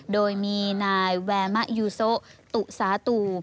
โดยมีนายแวมะยูโซตุสาตู